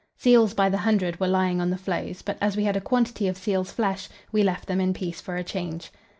Seals by the hundred were lying on the floes, but as we had a quantity of seal's flesh, we left them in peace for a change.